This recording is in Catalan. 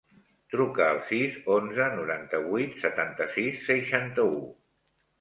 Truca al sis, onze, noranta-vuit, setanta-sis, seixanta-u.